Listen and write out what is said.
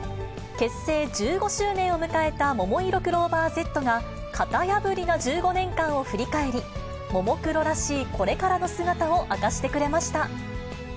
結成１５周年を迎えたももいろクローバーＺが、型破りな１５年間を振り返り、ももクロらしいこれからの姿を明かしてくれました。